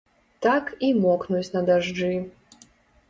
Так і мокнуць на дажджы.